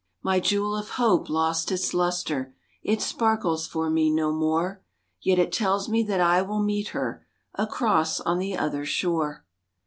My jewel of hope lost its lustre. It sparkles for me no more, Yet it tells me that I will meet her, Across on the other shore.